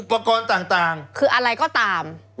แล้วเขาก็ใช้วิธีการเหมือนกับในการ์ตูน